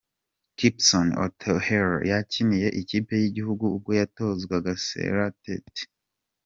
Kipson Atuheire yakiniye ikipe y’igihugu ubwo yatozwaga Sellas Tetteh.